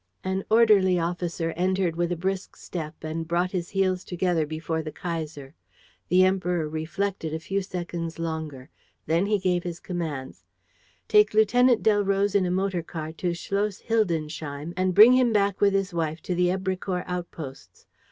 An orderly officer entered with a brisk step and brought his heels together before the Kaiser. The Emperor reflected a few seconds longer. Then he gave his commands: "Take Lieutenant Delroze in a motor car to Schloss Hildensheim and bring him back with his wife to the Èbrecourt outposts.